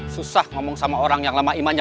susah ngomong sama orang yang lama imannya